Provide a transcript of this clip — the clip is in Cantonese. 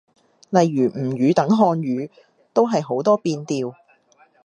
例如吳語等漢語，都係好多變調